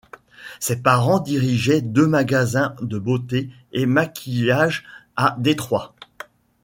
Ses parents dirigeaient deux magasins de beauté et maquillage à Détroit.